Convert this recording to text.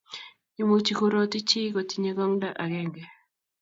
Imuchi kuroti chii koti ye kong'da agenge